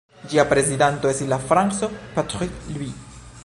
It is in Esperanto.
Ĝia prezidanto estis la franco Patrick Louis.